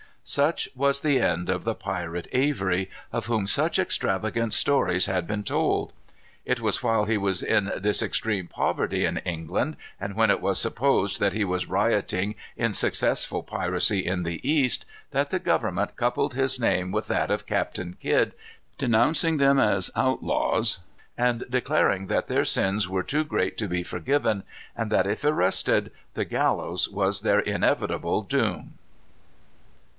Such was the end of the pirate Avery, of whom such extravagant stories had been told. It was while he was in this extreme of poverty in England, and when it was supposed that he was rioting in successful piracy in the East, that the Government coupled his name with that of Captain Kidd, denouncing them as outlaws, and declaring that their sins were too great to be forgiven, and that if arrested, the gallows was their inevitable doom.